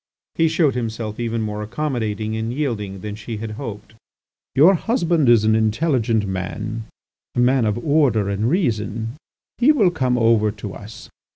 He showed himself even more accommodating and yielding than she had hoped. "Your husband is an intelligent man, a man of order and reason; he will come over to us.